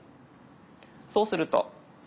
そうすると。